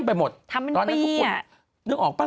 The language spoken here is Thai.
แต่ปรากฏลูกคนแรกบอกเป็นแล้วใช่ไหมอืมอยู่ดีดีลูกคนแรกตายไปแล้ว